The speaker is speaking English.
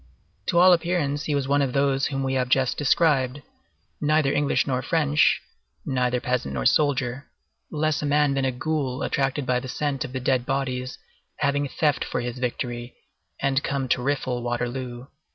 To all appearance he was one of those whom we have just described,—neither English nor French, neither peasant nor soldier, less a man than a ghoul attracted by the scent of the dead bodies having theft for his victory, and come to rifle Waterloo.